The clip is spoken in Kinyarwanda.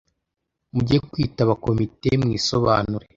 Mujye kwitaba komite mwisobanure